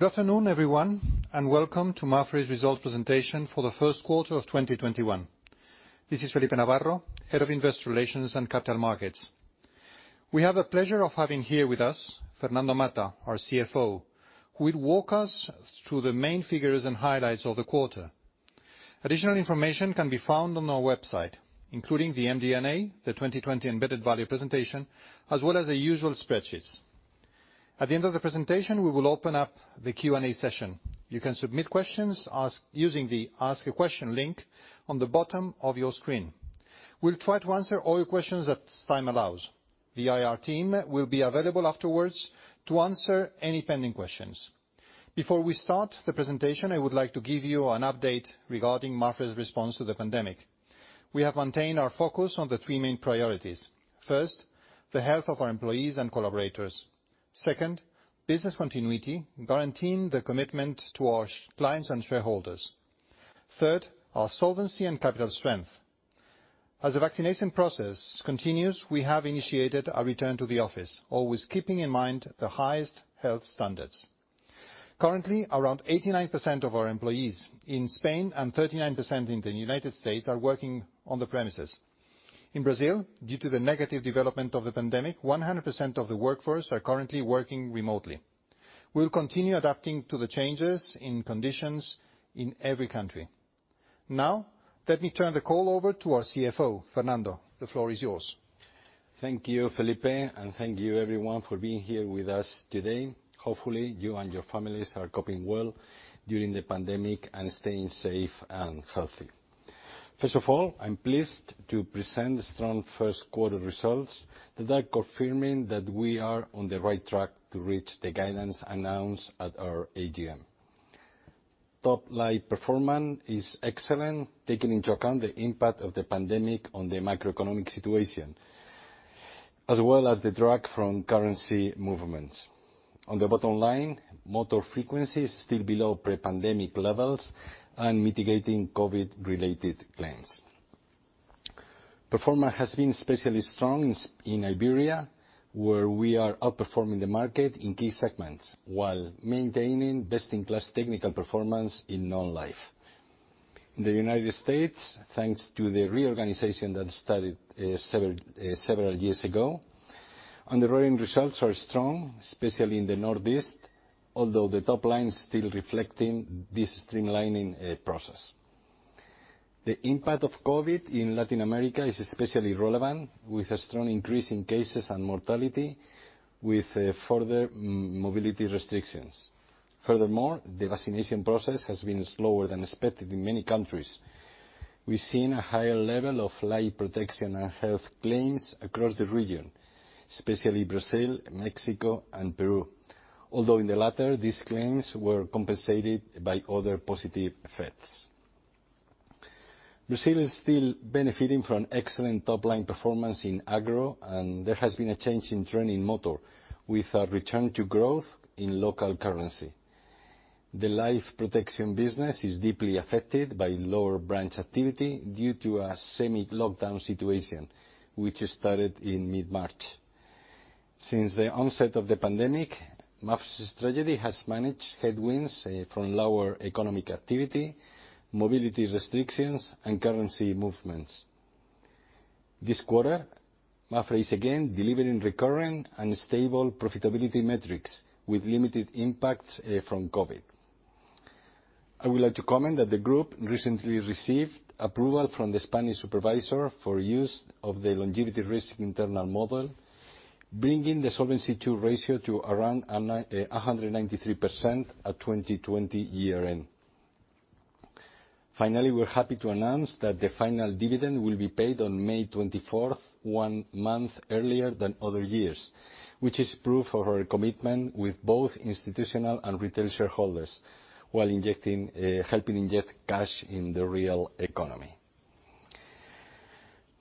Good afternoon, everyone, and welcome to Mapfre's Results Presentation for the Q1 of 2021. This is Felipe Navarro, Head of Investor Relations and Capital Markets. We have the pleasure of having here with us Fernando Mata, our CFO, who will walk us through the main figures and highlights of the quarter. Additional information can be found on our website, including the MD&A, the 2020 embedded value presentation, as well as the usual spreadsheets. At the end of the presentation, we will open up the Q&A session. You can submit questions using the Ask a Question link on the bottom of your screen. We will try to answer all your questions as time allows. The IR team will be available afterwards to answer any pending questions. Before we start the presentation, I would like to give you an update regarding Mapfre's response to the pandemic. We have maintained our focus on the three main priorities. First, the health of our employees and collaborators. Second, business continuity, guaranteeing the commitment to our clients and shareholders. Third, our solvency and capital strength. As the vaccination process continues, we have initiated a return to the office, always keeping in mind the highest health standards. Currently, around 89% of our employees in Spain and 39% in the U.S. are working on the premises. In Brazil, due to the negative development of the pandemic, 100% of the workforce are currently working remotely. We'll continue adapting to the changes in conditions in every country. Let me turn the call over to our CFO, Fernando. The floor is yours. Thank you, Felipe, and thank you everyone for being here with us today. Hopefully, you and your families are coping well during the pandemic and staying safe and healthy. First of all, I'm pleased to present the strong Q1 results that are confirming that we are on the right track to reach the guidance announced at our AGM. Top-line performance is excellent, taking into account the impact of the pandemic on the macroeconomic situation, as well as the drag from currency movements. On the bottom line, motor frequency is still below pre-pandemic levels and mitigating COVID-related claims. Performance has been especially strong in Iberia, where we are outperforming the market in key segments while maintaining best-in-class technical performance in non-life. In the U.S., thanks to the reorganization that started several years ago, underwriting results are strong, especially in the Northeast, although the top line is still reflecting this streamlining process. The impact of COVID in Latin America is especially relevant, with a strong increase in cases and mortality with further mobility restrictions. Furthermore, the vaccination process has been slower than expected in many countries. We've seen a higher level of life protection and health claims across the region, especially Brazil, Mexico, and Peru. Although in the latter, these claims were compensated by other positive effects. Brazil is still benefiting from excellent top-line performance in agro, and there has been a change in trend in motor with a return to growth in local currency. The life protection business is deeply affected by lower branch activity due to a semi-lockdown situation, which started in mid-March. Since the onset of the pandemic, Mapfre's strategy has managed headwinds from lower economic activity, mobility restrictions, and currency movements. This quarter, Mapfre is again delivering recurring and stable profitability metrics with limited impacts from COVID. I would like to comment that the group recently received approval from the Spanish supervisor for use of the longevity risk internal model, bringing the Solvency II ratio to around 193% at 2020 year-end. We're happy to announce that the final dividend will be paid on May 24th, one month earlier than other years, which is proof of our commitment with both institutional and retail shareholders while helping inject cash in the real economy.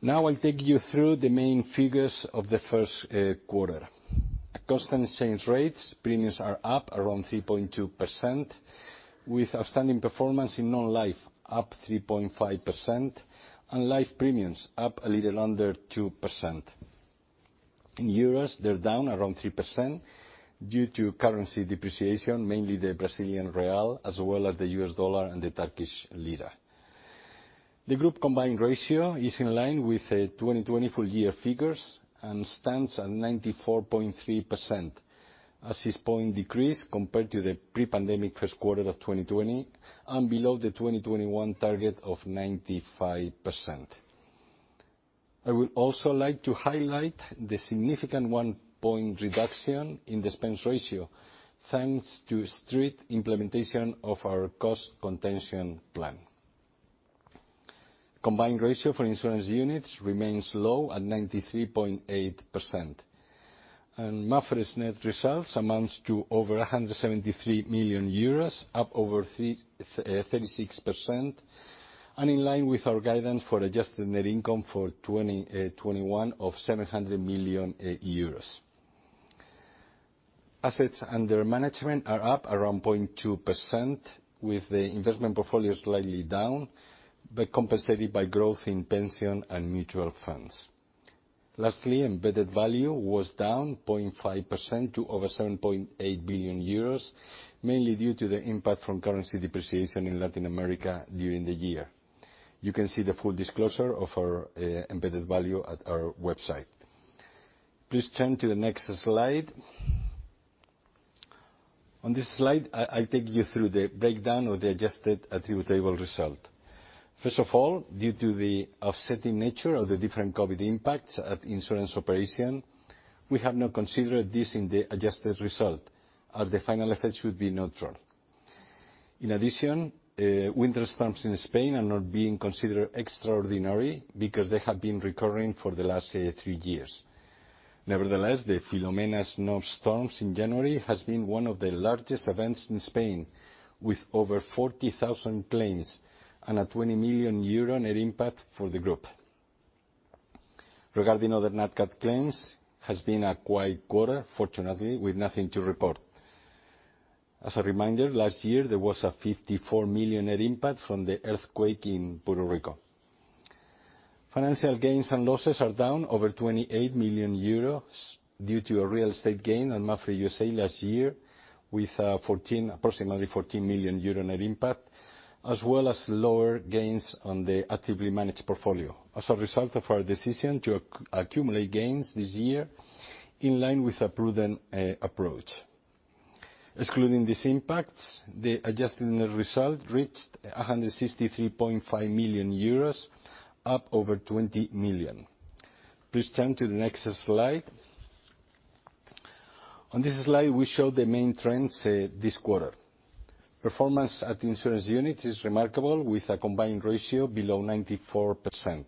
I'll take you through the main figures of the Q1. At constant exchange rates, premiums are up around 3.2%, with outstanding performance in non-life up 3.5% and life premiums up a little under 2%. In euros, they're down around 3% due to currency depreciation, mainly the Brazilian real, as well as the U.S. dollar and the Turkish lira. The group combined ratio is in line with the 2020 full-year figures and stands at 94.3%, a six point decrease compared to the pre-pandemic Q1 of 2020 and below the 2021 target of 95%. I would also like to highlight the significant one point reduction in the expense ratio, thanks to strict implementation of our cost contention plan. Combined ratio for insurance units remains low at 93.8%. Mapfre's net results amounts to over 173 million euros, up over 36%, and in line with our guidance for adjusted net income for 2021 of 700 million euros. Assets under management are up around 0.2%, with the investment portfolio slightly down, but compensated by growth in pension and mutual funds. Lastly, embedded value was down 0.5% to over 7.8 billion euros, mainly due to the impact from currency depreciation in Latin America during the year. You can see the full disclosure of our embedded value at our website. Please turn to the next slide. On this slide, I take you through the breakdown of the adjusted attributable result. First of all, due to the offsetting nature of the different COVID impacts at insurance operation, we have not considered this in the adjusted result, as the final effects should be neutral. In addition, winter storms in Spain are not being considered extraordinary because they have been recurring for the last three years. Nevertheless, the Filomena snowstorms in January has been one of the largest events in Spain, with over 40,000 claims and a 20 million euro net impact for the Group. Regarding other nat cat claims, has been a quiet quarter, fortunately, with nothing to report. As a reminder, last year there was a 54 million net impact from the earthquake in Puerto Rico. Financial gains and losses are down over 28 million euros due to a real estate gain on Mapfre USA Last year, with approximately 14 million euro net impact, as well as lower gains on the actively managed portfolio as a result of our decision to accumulate gains this year, in line with a prudent approach. Excluding these impacts, the adjusted net result reached 163.5 million euros, up over 20 million. Please turn to the next slide. On this slide, we show the main trends this quarter. Performance at the Insurance Unit is remarkable, with a combined ratio below 94%.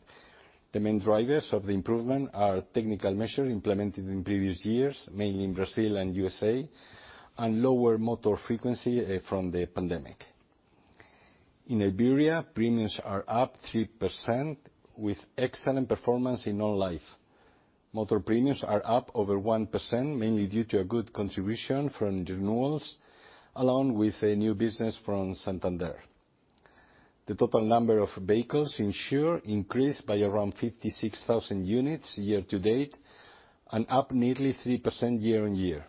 The main drivers of the improvement are technical measures implemented in previous years, mainly in Brazil and USA, and lower motor frequency from the pandemic. In Iberia, premiums are up 3% with excellent performance in non-life. Motor premiums are up over 1%, mainly due to a good contribution from renewals, along with new business from Santander. The total number of vehicles insured increased by around 56,000 units year to date and up nearly 3% year-on-year.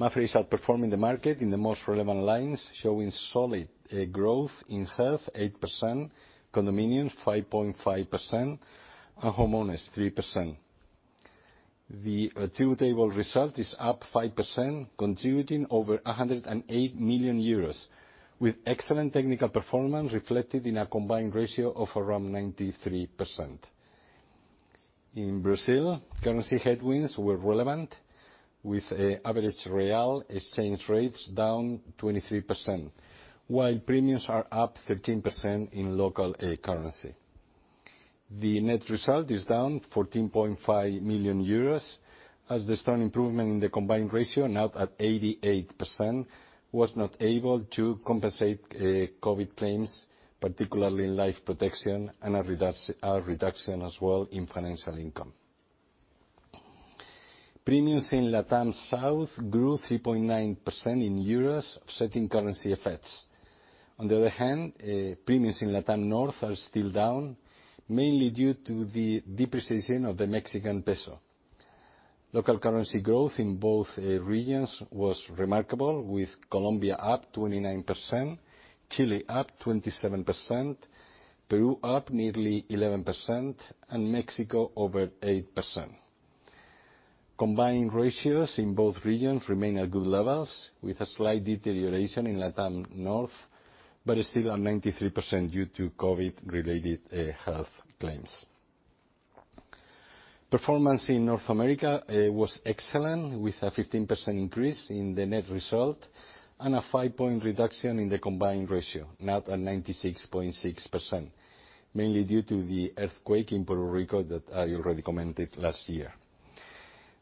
Mapfre is outperforming the market in the most relevant lines, showing solid growth in health 8%, condominiums 5.5%, and homeowners 3%. The attributable result is up 5%, contributing over 108 million euros, with excellent technical performance reflected in a combined ratio of around 93%. In Brazil, currency headwinds were relevant, with average real exchange rates down 23%, while premiums are up 13% in local currency. The net result is down 14.5 million euros as the strong improvement in the combined ratio, now at 88%, was not able to compensate COVID claims, particularly in life protection, and a reduction as well in financial income. Premiums in Latam South grew 3.9% in EUR, offsetting currency effects. On the other hand, premiums in Latam North are still down, mainly due to the depreciation of the Mexican peso. Local currency growth in both regions was remarkable, with Colombia up 29%, Chile up 27%, Peru up nearly 11%, and Mexico over 8%. Combined ratios in both regions remain at good levels, with a slight deterioration in Latam North, but are still at 93% due to COVID-related health claims. Performance in North America was excellent, with a 15% increase in the net result and a five-point reduction in the combined ratio, now at 96.6%, mainly due to the earthquake in Puerto Rico that I already commented last year.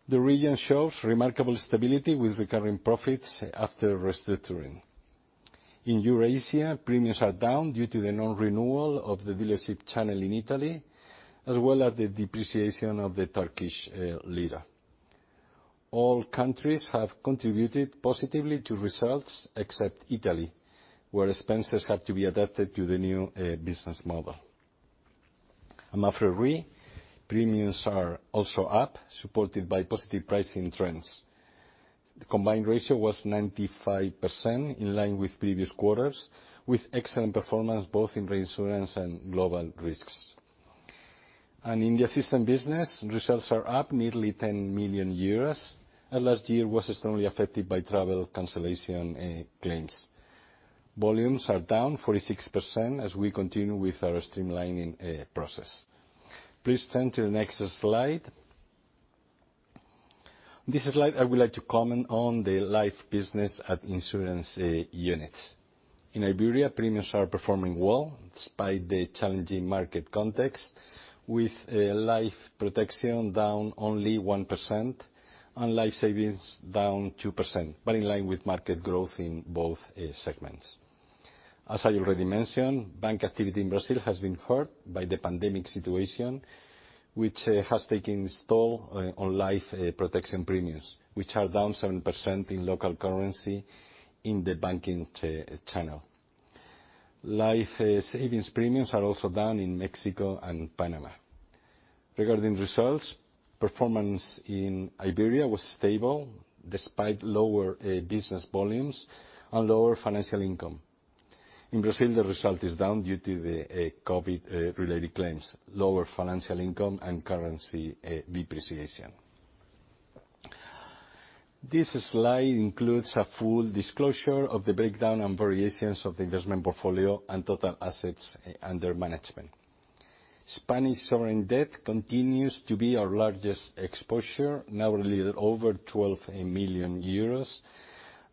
The region shows remarkable stability with recurring profits after restructuring. In Eurasia, premiums are down due to the non-renewal of the dealership channel in Italy, as well as the depreciation of the Turkish lira. All countries have contributed positively to results except Italy, where expenses had to be adapted to the new business model. At Mapfre RE, premiums are also up, supported by positive pricing trends. The combined ratio was 95%, in line with previous quarters, with excellent performance both in reinsurance and global risks. In the Assistant business, results are up nearly 10 million euros, as last year was strongly affected by travel cancellation claims. Volumes are down 46% as we continue with our streamlining process. Please turn to the next slide. In this slide, I would like to comment on the life business at Insurance Unit. In Iberia, premiums are performing well despite the challenging market context, with life protection down only 1% and life savings down 2%, but in line with market growth in both segments. As I already mentioned, bank activity in Brazil has been hurt by the pandemic situation, which has taken its toll on life protection premiums, which are down 7% in local currency in the banking channel. Life savings premiums are also down in Mexico and Panama. Regarding results, performance in Iberia was stable despite lower business volumes and lower financial income. In Brazil, the result is down due to the COVID-related claims, lower financial income, and currency depreciation. This slide includes a full disclosure of the breakdown and variations of the investment portfolio and total assets under management. Spanish sovereign debt continues to be our largest exposure, now a little over 12 million euros.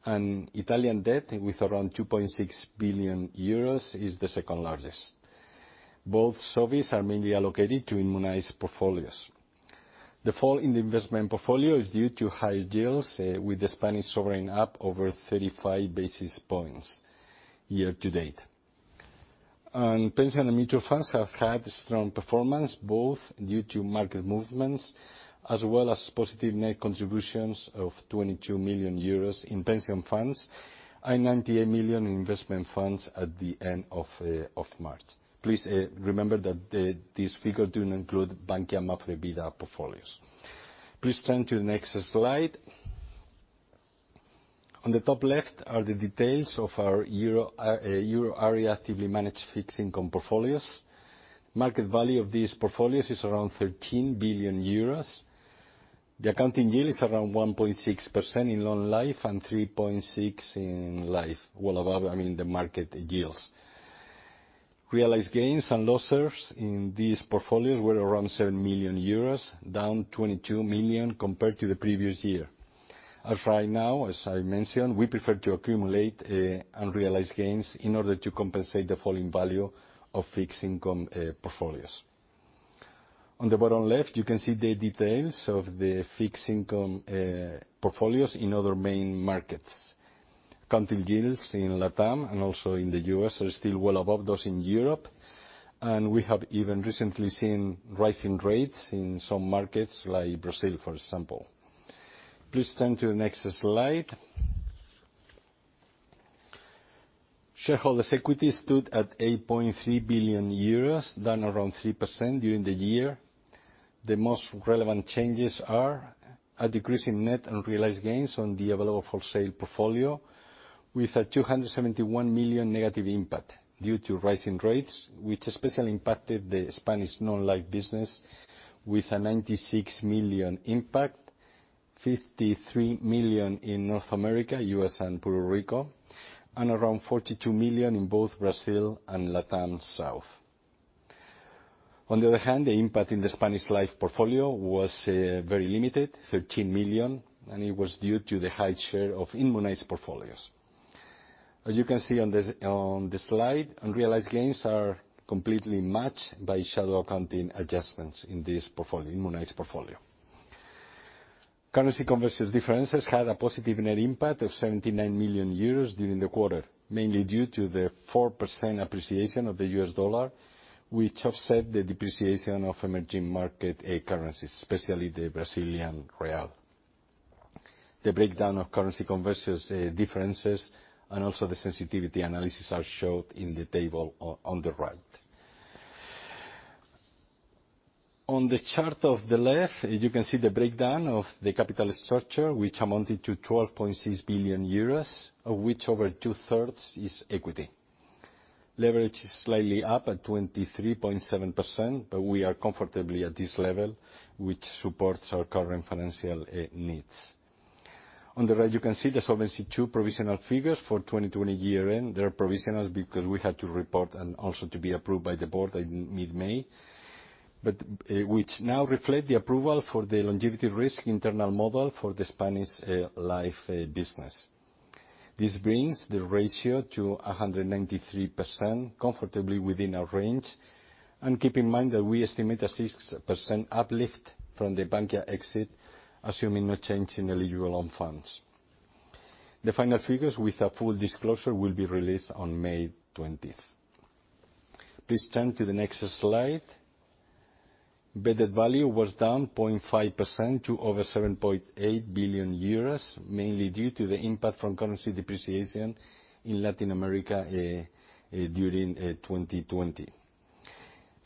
Italian debt, with around 2.6 billion euros, is the second largest. Both SOVs are mainly allocated to immunize portfolios. The fall in the investment portfolio is due to high yields, with the Spanish sovereign up over 35 basis points year to date. Pension and mutual funds have had strong performance, both due to market movements as well as positive net contributions of 22 million euros in pension funds and 98 million in investment funds at the end of March. Please remember that these figures do not include Bankia Mapfre Vida portfolios. Please turn to the next slide. On the top left are the details of our euro area actively managed fixed-income portfolios. Market value of these portfolios is around 13 billion euros. The accounting yield is around 1.6% in non-life and 3.6% in life. Well above, I mean, the market yields. Realized gains and losses in these portfolios were around 7 million euros, down 22 million compared to the previous year. Right now, as I mentioned, we prefer to accumulate unrealized gains in order to compensate the falling value of fixed-income portfolios. On the bottom left, you can see the details of the fixed-income portfolios in other main markets. Accounting yields in Latam and also in the U.S. are still well above those in Europe. We have even recently seen rising rates in some markets, like Brazil, for example. Please turn to the next slide. Shareholders' equity stood at 8.3 billion euros, down around 3% during the year. The most relevant changes are a decrease in net unrealized gains on the available for sale portfolio, with a 271 million negative impact due to rising rates, which especially impacted the Spanish non-life business with a 96 million impact, 53 million in North America, U.S., and Puerto Rico, and around 42 million in both Brazil and Latin South. On the other hand, the impact in the Spanish life portfolio was very limited, 13 million, and it was due to the high share of immunized portfolios. As you can see on the slide, unrealized gains are completely matched by shadow accounting adjustments in this immunized portfolio. Currency conversion differences had a positive net impact of 79 million euros during the quarter, mainly due to the 4% appreciation of the U.S. dollar, which offset the depreciation of emerging market currencies, especially the Brazilian real. The breakdown of currency conversion differences and also the sensitivity analysis are shown in the table on the right. On the chart on the left, you can see the breakdown of the capital structure, which amounted to 12.6 billion euros, of which over two-thirds is equity. Leverage is slightly up at 23.7%, but we are comfortably at this level, which supports our current financial needs. On the right, you can see the Solvency II provisional figures for 2020 year-end. They're provisional because we had to report and also to be approved by the board in mid-May, but which now reflect the approval for the longevity risk internal model for the Spanish life business. This brings the ratio to 193%, comfortably within our range. Keep in mind that we estimate a 6% uplift from the Bankia exit, assuming no change in eligible on funds. The final figures with a full disclosure will be released on May 20th. Please turn to the next slide. Embedded value was down 0.5% to over 7.8 billion euros, mainly due to the impact from currency depreciation in Latin America during 2020.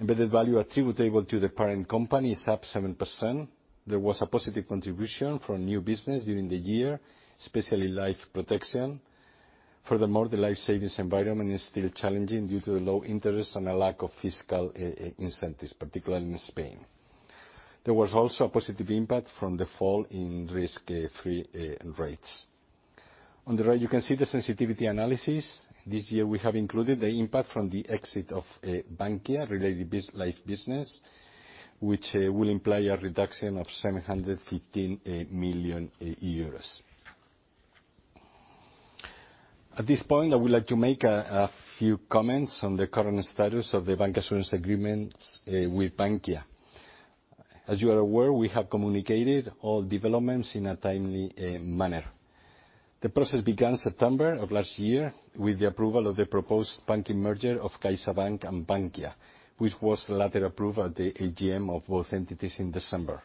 Embedded value attributable to the parent company is up 7%. There was a positive contribution from new business during the year, especially life protection. Furthermore, the life savings environment is still challenging due to the low interest and a lack of fiscal incentives, particularly in Spain. There was also a positive impact from the fall in risk-free rates. On the right, you can see the sensitivity analysis. This year, we have included the impact from the exit of Bankia-related life business, which will imply a reduction of 715 million euros. At this point, I would like to make a few comments on the current status of the bancassurance agreements with Bankia. As you are aware, we have communicated all developments in a timely manner. The process began September of last year with the approval of the proposed banking merger of CaixaBank and Bankia, which was later approved at the AGM of both entities in December.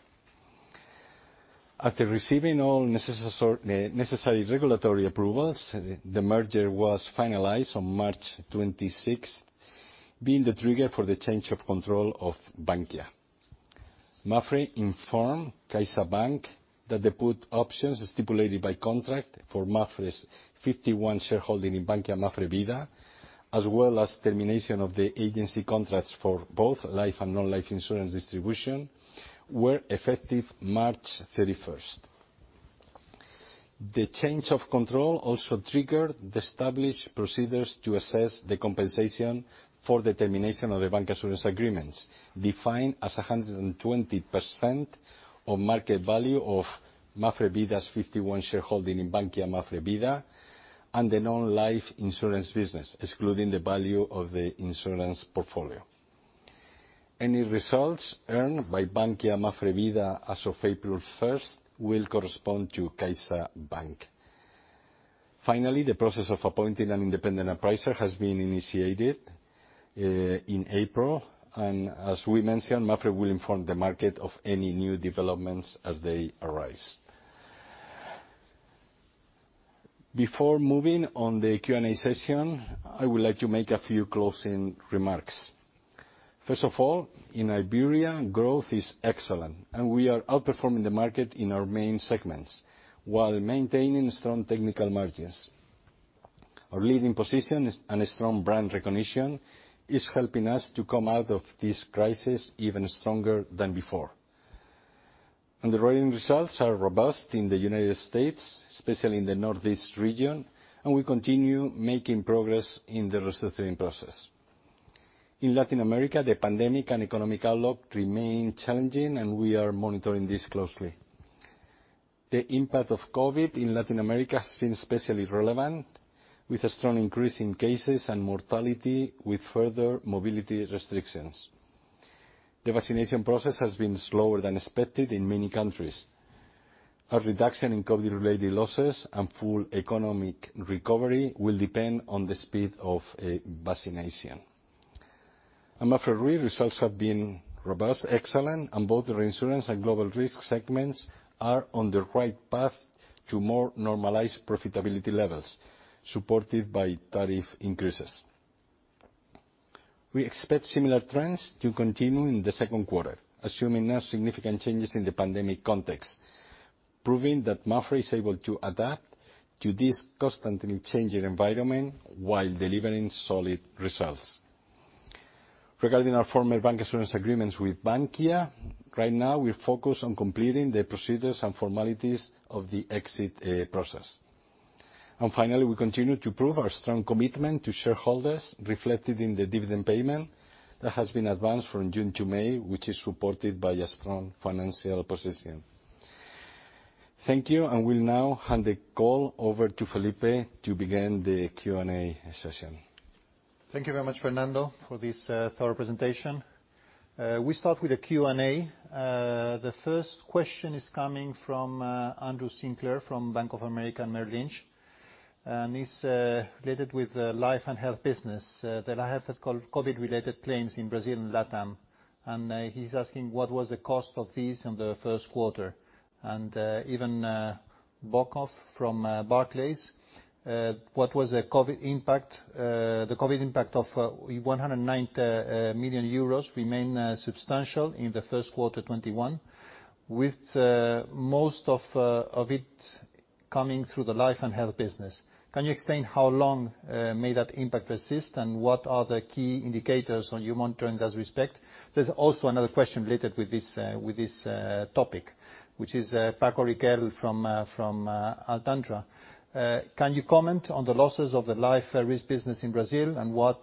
After receiving all necessary regulatory approvals, the merger was finalized on March 26th, being the trigger for the change of control of Bankia. Mapfre informed CaixaBank that the put options stipulated by contract for Mapfre's 51% shareholding in Bankia Mapfre Vida, as well as termination of the agency contracts for both life and non-life insurance distribution were effective March 31st. The change of control also triggered the established procedures to assess the compensation for the termination of the bancassurance agreements, defined as 120% of market value of Mapfre Vida's 51 shareholding in Bankia Mapfre Vida and the non-life insurance business, excluding the value of the insurance portfolio. Any results earned by Bankia Mapfre Vida as of April 1st will correspond to CaixaBank. Finally, the process of appointing an independent appraiser has been initiated in April, and as we mentioned, Mapfre will inform the market of any new developments as they arise. Before moving on the Q&A session, I would like to make a few closing remarks. First of all, in Iberia, growth is excellent, and we are outperforming the market in our main segments while maintaining strong technical margins. Our leading position and strong brand recognition is helping us to come out of this crisis even stronger than before. Underwriting results are robust in the United States, especially in the Northeast region, and we continue making progress in the restructuring process. In Latin America, the pandemic and economic outlook remain challenging, and we are monitoring this closely. The impact of COVID in Latin America has been especially relevant, with a strong increase in cases and mortality, with further mobility restrictions. The vaccination process has been slower than expected in many countries. A reduction in COVID-related losses and full economic recovery will depend on the speed of vaccination. At Mapfre, results have been robust, excellent, and both the reinsurance and global risk segments are on the right path to more normalized profitability levels, supported by tariff increases. We expect similar trends to continue in the Q2, assuming no significant changes in the pandemic context, proving that Mapfre is able to adapt to this constantly changing environment while delivering solid results. Regarding our former bancassurance agreements with Bankia, right now we are focused on completing the procedures and formalities of the exit process. Finally, we continue to prove our strong commitment to shareholders, reflected in the dividend payment that has been advanced from June to May, which is supported by a strong financial position. Thank you. Will now hand the call over to Felipe to begin the Q&A session. Thank you very much, Fernando, for this thorough presentation. We start with the Q&A. The first question is coming from Andrew Sinclair from Bank of America Merrill Lynch, and it's related with the life and health business that I have called COVID-related claims in Brazil and LATAM. He's asking what was the cost of these in the Q1. Ivan Bokhmat from Barclays, what was the COVID impact of 190 million euros remain substantial in the Q1 2021, with most of it coming through the life and health business. Can you explain how long may that impact persist, and what are the key indicators on your monitoring in that respect? There's also another question related with this topic, which is Paco Riquel from Alantra. Can you comment on the losses of the life risk business in Brazil, and what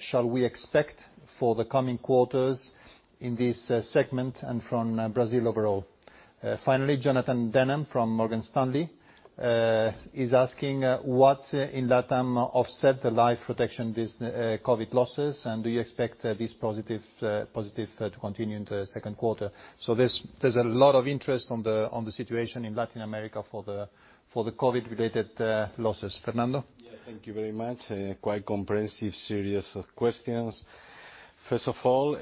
shall we expect for the coming quarters in this segment and from Brazil overall? Jonathan Denham from Morgan Stanley is asking what in LATAM offset the life protection COVID losses, and do you expect this positive to continue into the Q2? There's a lot of interest on the situation in Latin America for the COVID-related losses. Fernando? Yeah. Thank you very much. A quite comprehensive series of questions. First of all,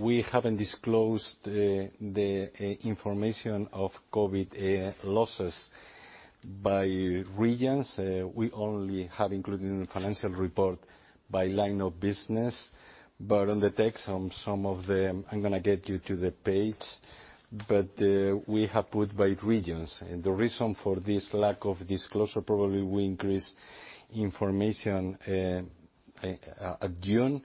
we haven't disclosed the information of COVID losses by regions. We only have included in the financial report by line of business. On the text on some of them, I'm going to get you to the page. We have put by regions. The reason for this lack of disclosure, probably we increase information at June.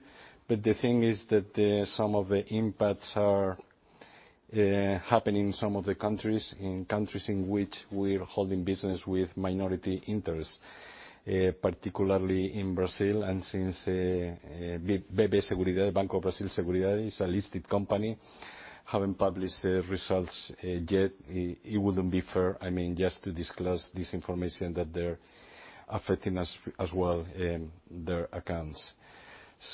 The thing is that some of the impacts are happening in some of the countries in which we're holding business with minority interest, particularly in Brazil. Since BB Seguridade, Banco do Brasil Seguridade, is a listed company, haven't published results yet, it wouldn't be fair, I mean, just to disclose this information that they're affecting us as well in their accounts.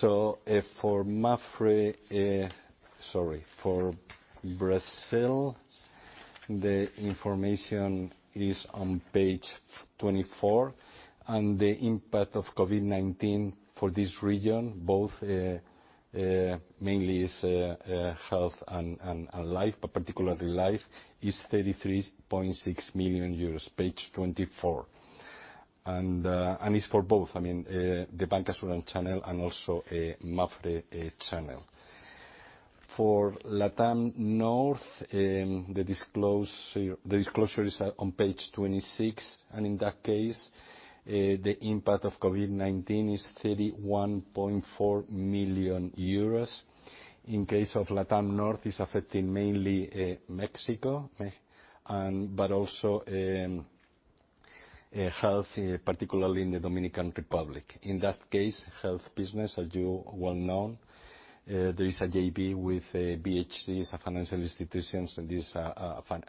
For Mapfre Sorry. For Brazil, the information is on page 24. The impact of Covid-19 for this region, both mainly is health and life, but particularly life, is 33.6 million euros. Page 24. It's for both, the bancassurance channel and also Mapfre channel. For Latam North, the disclosure is on page 26. In that case, the impact of Covid-19 is 31.4 million euros. In case of Latam North, it's affecting mainly Mexico, but also health, particularly in the Dominican Republic. In that case, health business, as you well know, there is a JV with a BHC, it's a financial institution. This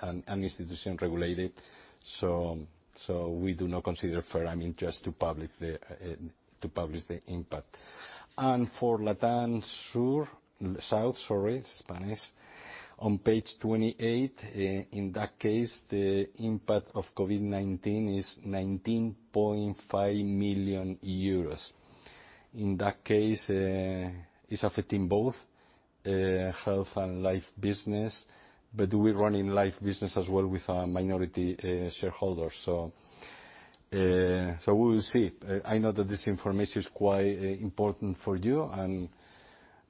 an institution regulated, we do not consider fair just to publish the impact. For Latam South, on page 28, in that case, the impact of Covid-19 is 19.5 million euros. In that case, it's affecting both health and life business, but we run life business as well with our minority shareholders. We will see. I know that this information is quite important for you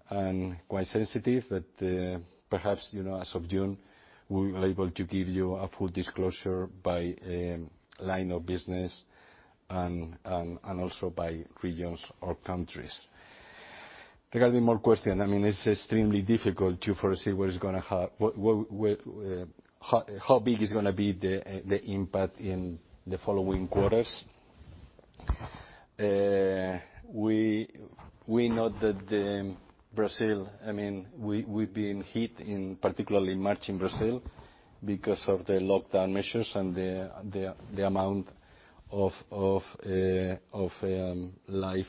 and quite sensitive, but perhaps, as of June, we'll be able to give you a full disclosure by line of business and also by regions or countries. Regarding more question, it's extremely difficult to foresee how big is going to be the impact in the following quarters. We know that Brazil, we've been hit in particular March in Brazil because of the lockdown measures and the amount of life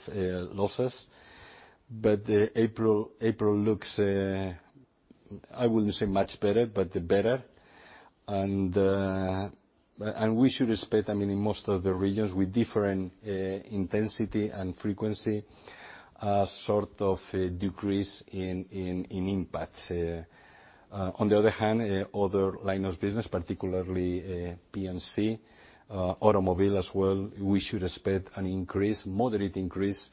losses. April looks, I wouldn't say much better, but better. We should expect, in most of the regions with different intensity and frequency, a sort of decrease in impact. On the other hand, other line of business, particularly P&C, automobile as well, we should expect an increase, moderate increase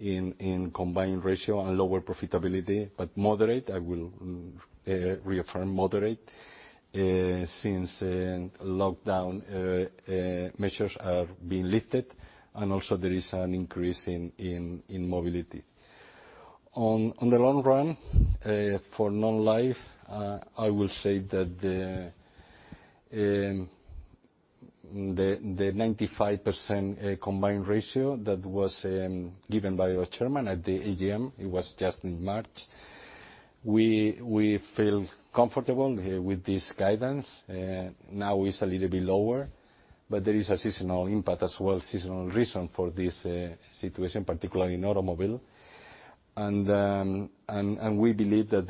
in combined ratio and lower profitability, but moderate. I will reaffirm moderate since lockdown measures are being lifted. Also, there is an increase in mobility. On the long run, for non-life, I will say that the 95% combined ratio that was given by our chairman at the AGM, it was just in March. We feel comfortable with this guidance. Now it's a little bit lower, but there is a seasonal impact as well, seasonal reason for this situation, particularly in automobile. We believe that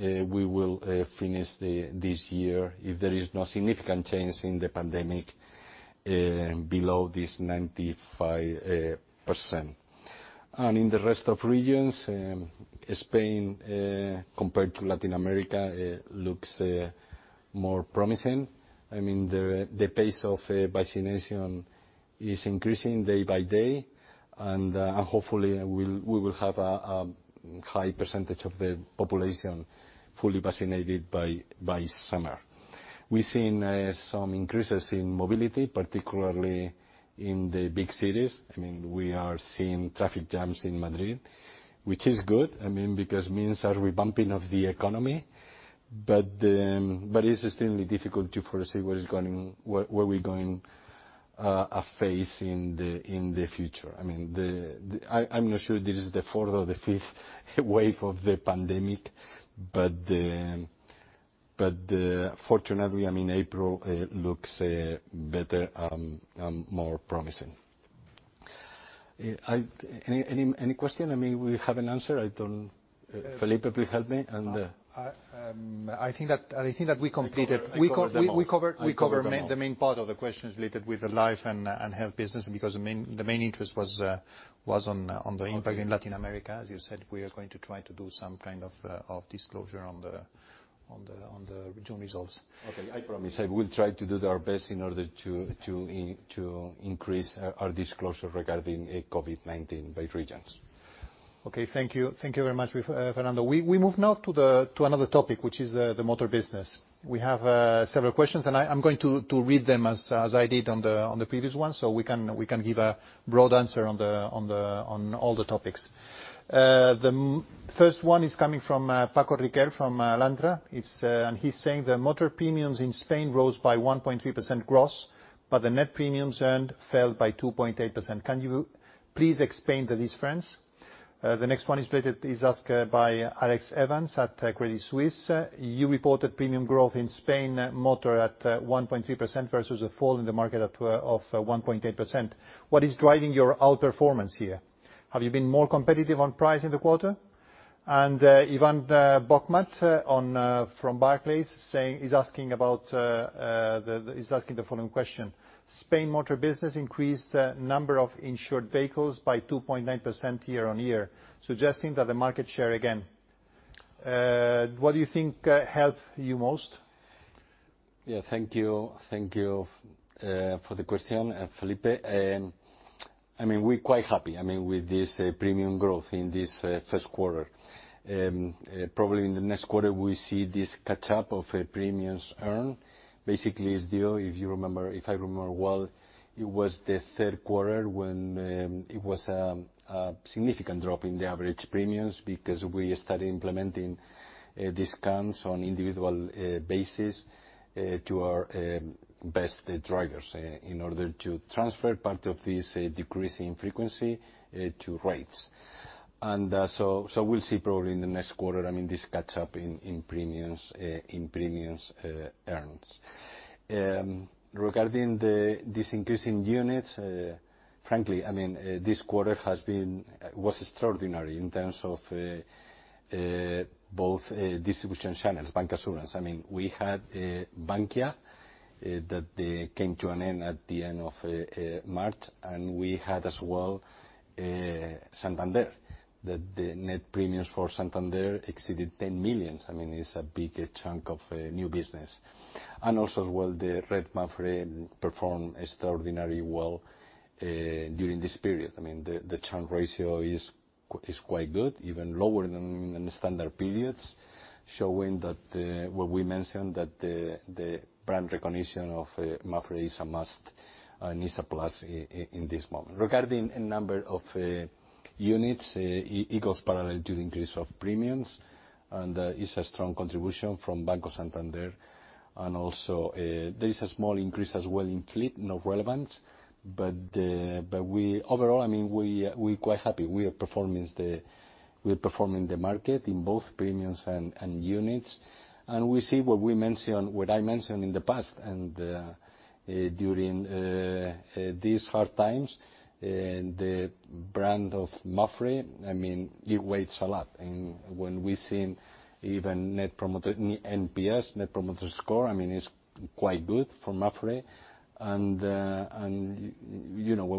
we will finish this year, if there is no significant change in the pandemic, below this 95%. In the rest of regions, Spain compared to Latin America looks more promising. The pace of vaccination is increasing day by day, and hopefully, we will have a high percentage of the population fully vaccinated by summer. We've seen some increases in mobility, particularly in the big cities. We are seeing traffic jams in Madrid, which is good because means a revamping of the economy. It's extremely difficult to foresee where we're going to face in the future. I'm not sure this is the fourth or the fifth wave of the pandemic. Fortunately, April looks better and more promising. Any question? We have an answer. Felipe, please help me. I think that we completed. I covered them all. We covered the main part of the questions related with the life and health business because the main interest was on the impact in Latin America. As you said, we are going to try to do some kind of disclosure on the regional results. Okay. I promise I will try to do our best in order to increase our disclosure regarding Covid-19 by regions. Okay. Thank you. Thank you very much, Fernando. We move now to another topic, which is the motor business. We have several questions, and I'm going to read them as I did on the previous one, so we can give a broad answer on all the topics. The first one is coming from Francisco Riquel from Alantra. He's saying the motor premiums in Spain rose by 1.3% gross, but the net premiums earned fell by 2.8%. Can you please explain the difference? The next one is asked by Alex Evans at Credit Suisse. You reported premium growth in Spain motor at 1.3% versus a fall in the market of 1.8%. What is driving your outperformance here? Have you been more competitive on price in the quarter? Ivan Bokhmat from Barclays is asking the following question: Spain motor business increased the number of insured vehicles by 2.9% year-on-year, suggesting that the market share again. What do you think helped you most? Thank you for the question, Felipe. We're quite happy with this premium growth in this Q1. Probably in the next quarter, we see this catch-up of premiums earned. Basically, if I remember well, it was the Q3 when it was a significant drop in the average premiums because we started implementing discounts on individual basis to our best drivers in order to transfer part of this decrease in frequency to rates. We'll see probably in the next quarter, this catch-up in premiums earned. Regarding this increase in units, frankly, this quarter was extraordinary in terms of both distribution channels, bancassurance. We had Bankia, that they came to an end at the end of March, and we had as well Santander. That the net premiums for Santander exceeded 10 million. It's a big chunk of new business. Also as well, the brand Mapfre performed extraordinary well during this period. The churn ratio is quite good, even lower than in standard periods, showing what we mentioned, that the brand recognition of Mapfre is a must and is a plus in this moment. Regarding number of units, it goes parallel to the increase of premiums, and is a strong contribution from Banco Santander and also there is a small increase as well in fleet, not relevant. Overall, we're quite happy. We are outperforming the market in both premiums and units. We see what I mentioned in the past, and during these hard times, the brand of Mapfre, it weighs a lot. When we've seen even NPS, Net Promoter Score, it's quite good for Mapfre. When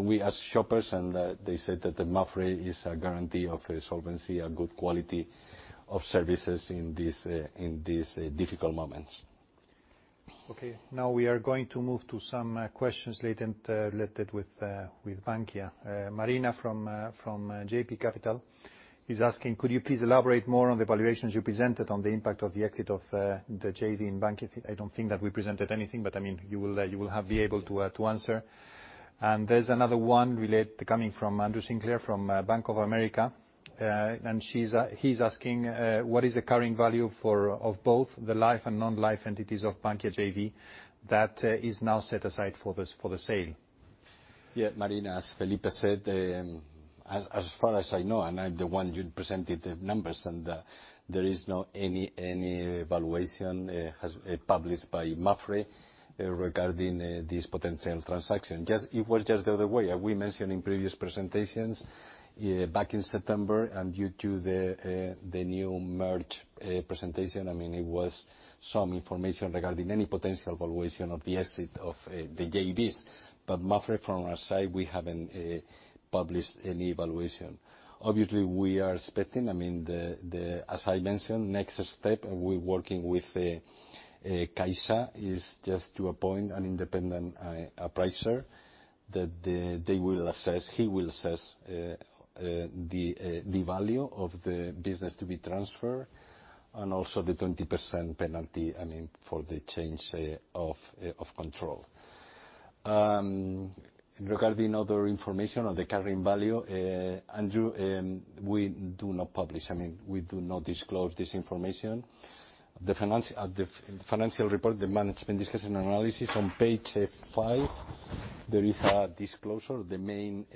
we ask shoppers, and they said that the Mapfre is a guarantee of solvency, a good quality of services in these difficult moments. Okay, now we are going to move to some questions related to Bankia. Marina from JB Capital is asking: Could you please elaborate more on the valuations you presented on the impact of the exit of the JV in Bankia? I don't think that we presented anything, but you will be able to answer. There's another one coming from Andrew Sinclair from Bank of America Merrill Lynch. He's asking: What is the carrying value of both the life and non-life entities of Bankia JV that is now set aside for the sale? Marina, as Felipe said, as far as I know, I'm the one who presented the numbers, there is not any valuation published by Mapfre regarding this potential transaction. It was just the other way. We mentioned in previous presentations back in September due to the new merge presentation, it was some information regarding any potential valuation of the exit of the JVs. Mapfre, from our side, we haven't published any valuation. Obviously, we are expecting, as I mentioned, next step, we're working with Caixa, is just to appoint an independent appraiser. He will assess the value of the business to be transferred and also the 20% penalty for the change of control. Regarding other information on the carrying value, Andrew, we do not publish. We do not disclose this information. At the financial report, the management discussion and analysis on Page F5, there is a disclosure of the main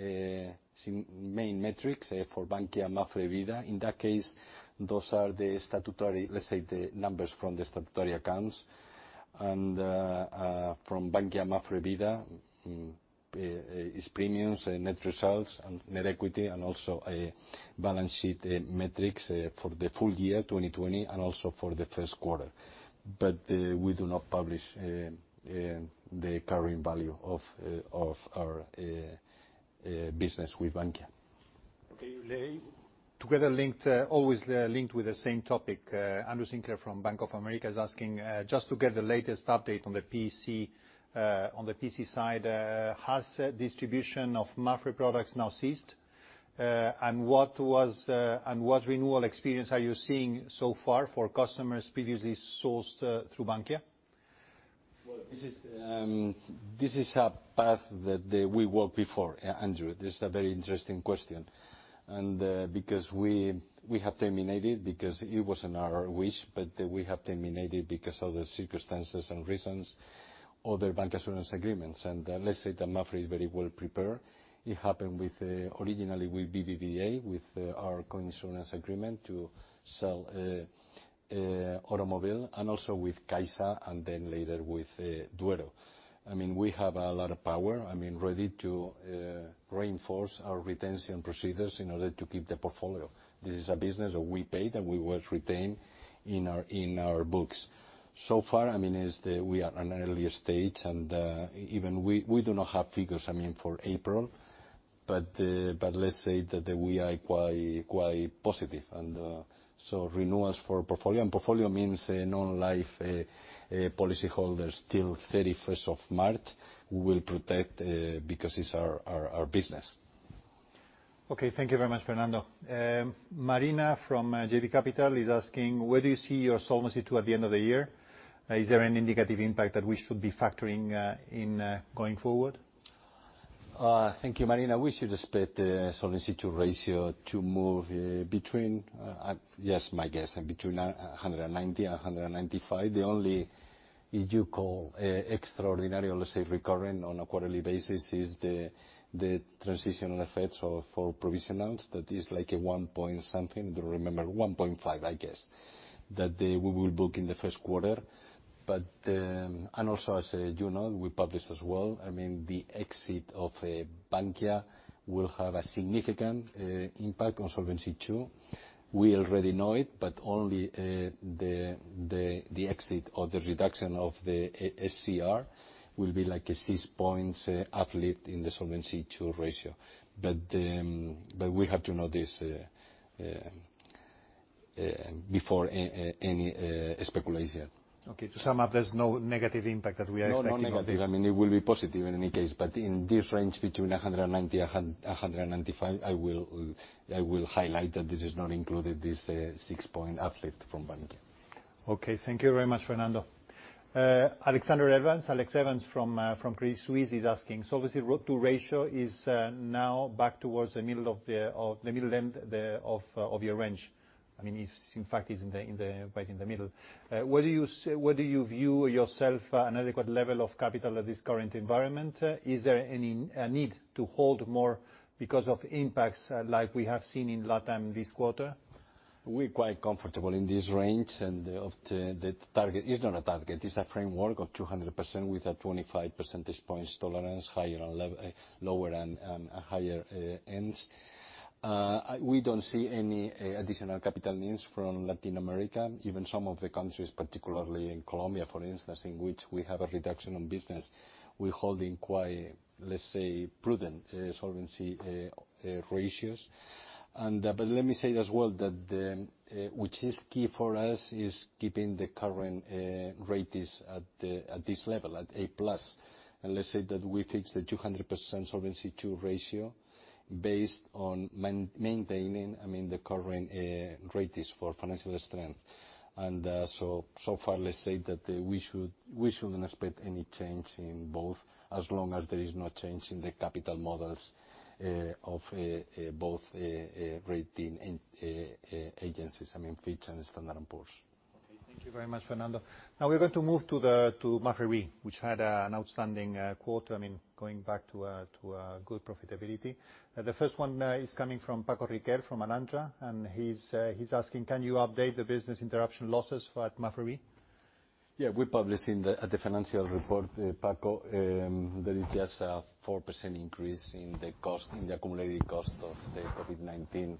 metrics for Bankia Mapfre Vida. In that case, those are the statutory, let's say, the numbers from the statutory accounts. From Bankia Mapfre Vida, its premiums and net results and net equity, and also balance sheet metrics for the full year 2020 and also for the Q1. We do not publish the carrying value of our business with Bankia. Okay. Together linked, always linked with the same topic. Andrew Sinclair from Bank of America is asking: Just to get the latest update on the P&C side, has distribution of Mapfre products now ceased? And what renewal experience are you seeing so far for customers previously sourced through Bankia? Well, this is a path that we walked before, Andrew. This is a very interesting question. Because it wasn't our wish, but we have terminated because of the circumstances and reasons other bank insurance agreements. Let's say that Mapfre is very well prepared. It happened originally with BBVA, with our co-insurance agreement to sell automobile and also with CaixaBank and then later with Caja Duero. We have a lot of power, ready to reinforce our retention procedures in order to keep the portfolio. This is a business that we pay that we will retain in our books. So far, we are in an earlier stage, and we do not have figures for April, but let's say that we are quite positive. So renewals for portfolio, and portfolio means non-life policyholders till 31st of March will protect, because it's our business. Okay. Thank you very much, Fernando. Marina from JB Capital is asking, where do you see your Solvency II at the end of the year? Is there any negative impact that we should be factoring in going forward? Thank you, Marina. We should expect the Solvency II ratio to move between, yes, my guess, between 190 and 195. The only, you call, extraordinary, let's say, recurring on a quarterly basis is the transitional effects for provisionals. That is like a one point something. Do you remember? 1.5, I guess, that we will book in the Q1. Also, as you know, we published as well, the exit of Bankia will have a significant impact on Solvency II. We already know it, only the exit or the reduction of the SCR will be like a six points uplift in the Solvency II ratio. We have to know this before any speculation. Okay. To sum up, there's no negative impact that we are expecting on this. No negative. It will be positive in any case. In this range between 190 and 195, I will highlight that this is not included, this six-point uplift from Bankia. Okay. Thank you very much, Fernando. Andrew Evans, Alex Evans from Credit Suisse is asking, Solvency II ratio is now back towards the middle end of your range. In fact, it's right in the middle. Whether you view yourself an adequate level of capital at this current environment, is there any need to hold more because of impacts like we have seen in LatAm this quarter? We're quite comfortable in this range of the target. It's not a target. It's a framework of 200% with a 25 percentage points tolerance lower and higher ends. We don't see any additional capital needs from Latin America. Even some of the countries, particularly in Colombia, for instance, in which we have a reduction on business. We're holding quite, let's say, prudent solvency ratios. Let me say as well that which is key for us is keeping the current ratings at this level, at A+. Let's say that we fix the 200% Solvency II ratio based on maintaining the current ratings for financial strength. So far, let's say that we shouldn't expect any change in both as long as there is no change in the capital models of both rating agencies, Fitch and Standard & Poor's. Okay. Thank you very much, Fernando. Now we're going to move to Mapfre, which had an outstanding quarter, going back to good profitability. The first one is coming from Francisco Riquel from Alantra, and he's asking, can you update the business interruption losses at Mapfre? We published in the financial report, Paco. There is just a 4% increase in the accumulated cost of the COVID-19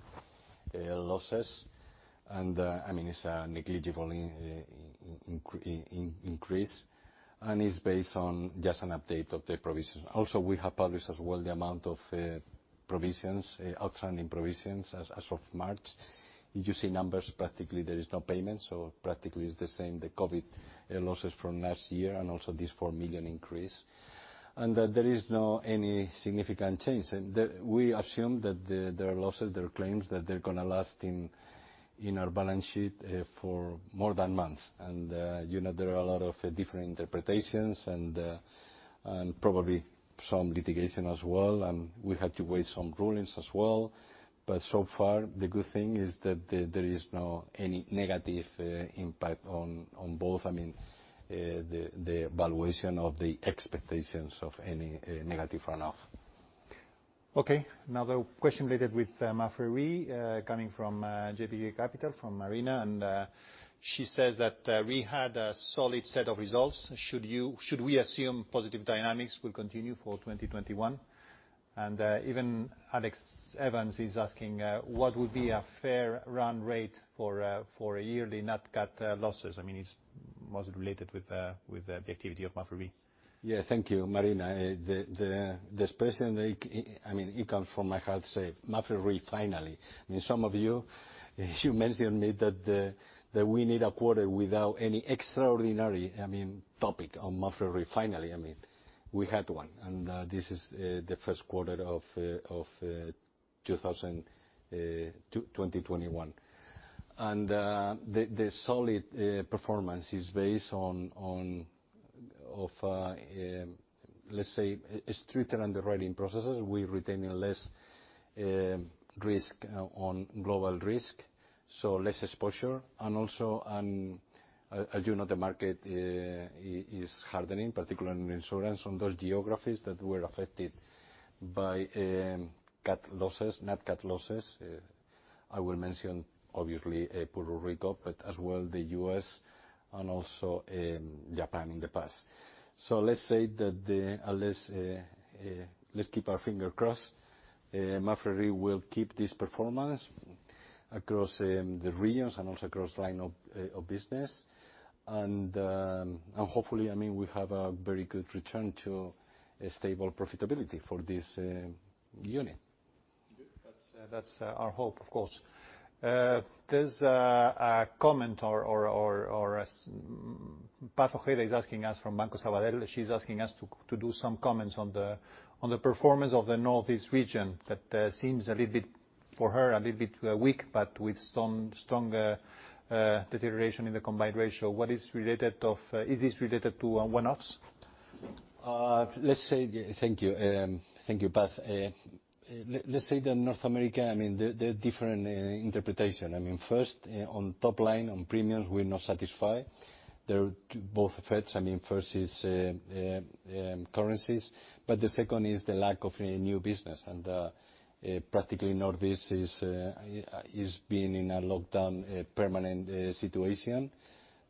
losses. It's a negligible increase, and it's based on just an update of the provision. We have published as well the amount of outstanding provisions as of March. You see numbers. Practically there is no payment, so practically it's the same, the COVID losses from last year and also this 4 million increase. That there is not any significant change. We assume that there are losses, there are claims that they're going to last in our balance sheet for more than months. There are a lot of different interpretations and probably some litigation as well. We had to wait some rulings as well. So far, the good thing is that there is not any negative impact on both the valuation of the expectations of any negative runoff. Okay. Another question related with Mapfre coming from JB Capital, from Marina, and she says that we had a solid set of results. Should we assume positive dynamics will continue for 2021? Even Alex Evans is asking, what would be a fair run rate for a yearly nat cat losses? It's mostly related with the activity of Mapfre. Thank you, Marina. This person, he come from, I have to say, Mapfre RE finally. Some of you mentioned me that we need a quarter without any extraordinary topic on Mapfre RE. Finally, we had one. This is the Q1 of 2021. The solid performance is based on Let's say stricter underwriting processes. We're retaining less risk on global risk, less exposure. As you know, the market is hardening, particularly in insurance on those geographies that were affected by cat losses, nat cat losses. I will mention, obviously, Puerto Rico, as well the U.S., also Japan in the past. Let's say that, let's keep our finger crossed. Mapfre will keep this performance across the regions and also across line of business. Hopefully, we have a very good return to a stable profitability for this unit. Good. That's our hope, of course. There's a comment, Maria Paz Ojeda is asking us from Banco Sabadell. She's asking us to do some comments on the performance of the Northeast region that seems, for her, a little bit weak, but with some stronger deterioration in the combined ratio. Is this related to one-offs? Thank you, Paz. Let's say that North America, there are different interpretation. First, on top line, on premiums, we're not satisfied. There are both effects. First is currencies, but the second is the lack of new business, and practically Northeast is been in a lockdown, a permanent situation.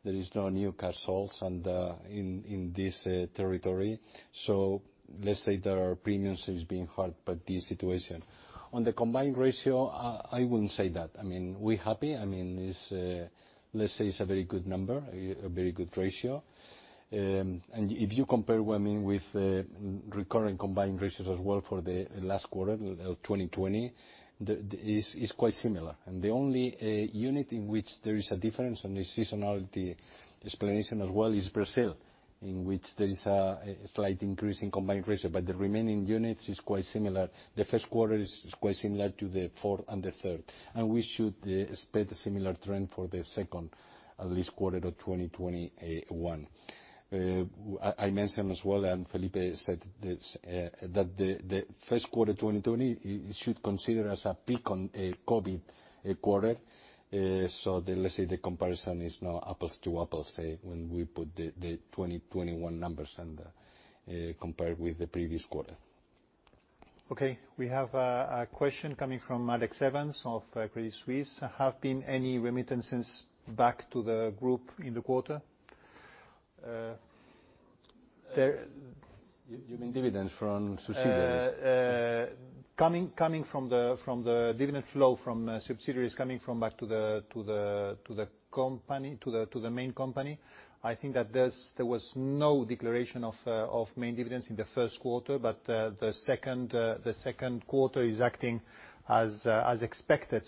There is no new car sales in this territory. Let's say the premiums is being hurt by this situation. On the combined ratio, I wouldn't say that. We're happy. Let's say it's a very good number, a very good ratio. If you compare with recurring combined ratios as well for the last quarter of 2020, it's quite similar. The only unit in which there is a difference and a seasonality explanation as well is Brazil, in which there is a slight increase in combined ratio. The remaining units, the Q1 is quite similar to the fourth and the third. We should expect a similar trend for the second, at least, quarter of 2021. I mentioned as well, and Felipe said this, that the Q1 2020, you should consider as a peak on a COVID quarter. Let's say the comparison is not apples to apples, say, when we put the 2021 numbers and compare with the previous quarter. Okay. We have a question coming from Alex Evans of Credit Suisse. Have been any remittances back to the group in the quarter? You mean dividends from subsidiaries? Dividend flow from subsidiaries coming from back to the main company. I think that there was no declaration of main dividends in the Q1, but the Q2 is acting as expected.